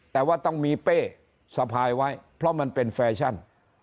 แต่ว่าต้องมีเป้สะพายไว้เพราะมันเป็นแฟชั่น